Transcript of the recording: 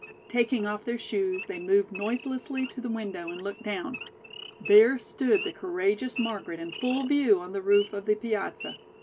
Taking off their shoes they moved noiselessly to the window and looked down. There stood the courageous Margaret in full view on the roof of the piazza.